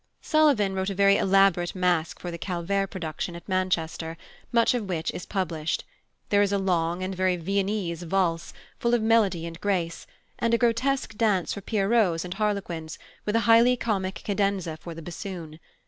+Sullivan+ wrote a very elaborate masque for the Calvert production at Manchester, much of which is published. There is a long and very Viennese valse, full of melody and grace, and a grotesque Dance for Pierrots and Harlequins, with a highly comic cadenza for the bassoon.